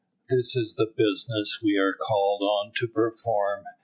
This is the business we are called on to perform.